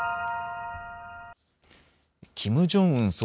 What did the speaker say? キム・ジョンウン